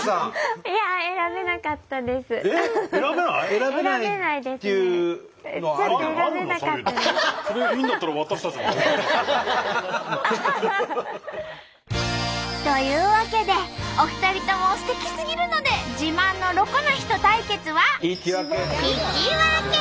それでいいんだったらハハハハ！というわけでお二人ともすてきすぎるので自慢のロコな人対決は引き分け！